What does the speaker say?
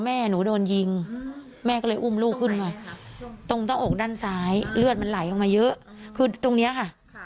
ก้อแม่หนูโดนยิงแม่ก็เลยอุ้มรูขึ้นมาตรงที่กับด้านซ้ายเลือดมันไหลเยอะคือตรงนี้ค่ะ